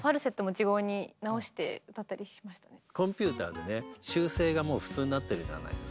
あちょっとコンピューターでね修正がもう普通になってるじゃないですか